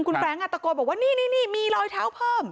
คุณแฟรงค์ตะโกนบอกว่านี่มีรอยเท้าเพิ่ม